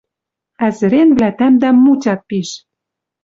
Ӓзӹренвлӓ тӓмдӓм мутят пиш.